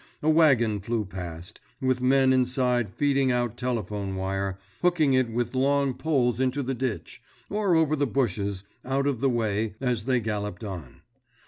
A wagon flew past, with men inside feeding out telephone wire, hooking it with long poles into the ditch, or over bushes, out of the way, as they galloped on.